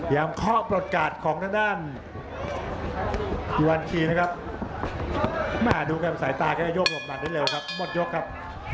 ยามข้อปลดการ์ดของด้านด้านวันคีมนะครับ